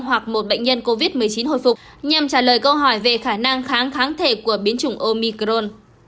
hoặc một bệnh nhân covid một mươi chín hồi phục nhằm trả lời câu hỏi về khả năng kháng kháng thể của biến chủng omicron